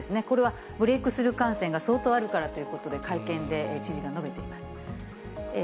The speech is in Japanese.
これはブレークスルー感染が相当あるからということで、会見で知事が述べています。